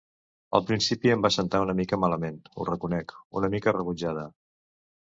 Al principi em va sentar una mica malament, ho reconec... una mica rebutjada.